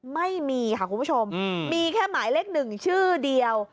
ไม่มีค่ะคุณผู้ชมมีแค่หมายเลขหนึ่งชื่อเดียว